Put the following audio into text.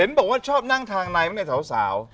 เห็นบอกว่าชอบนั่งทางในไหมเมื่อเจ้าสาว